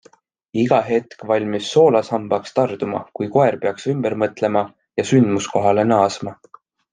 Iga hetk valmis soolasambaks tarduma, kui koer peaks ümber mõtlema ja sündmuskohale naasma.